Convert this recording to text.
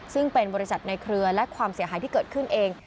ซึ่งเป็นบริษัทในเครือและความเสียหายที่เกิดขึ้นเอง